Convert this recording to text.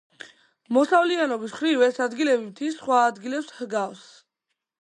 მოსავლიანობის მხრივ ეს ადგილები მთის სხვა ადგილებს ჰგავს.